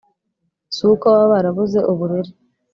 Si uko baba barabuze uburere